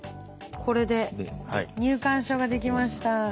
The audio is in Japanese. これで入館証ができました。